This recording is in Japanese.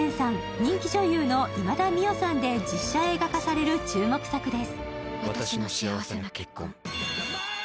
人気女優の今田美桜さんで実写映画化される注目作です。